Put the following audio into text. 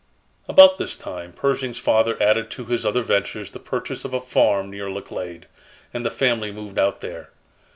About this time Pershing's father added to his other ventures the purchase of a farm near Laclede, and the family moved out there.